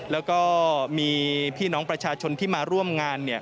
แล้วก็มีพี่น้องประชาชนที่มาร่วมงาน